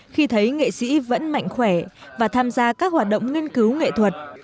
khi thấy nghệ sĩ vẫn mạnh khỏe và tham gia các hoạt động nghiên cứu nghệ thuật